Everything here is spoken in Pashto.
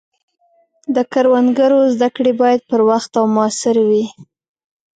د کروندګرو زده کړې باید پر وخت او موثر وي.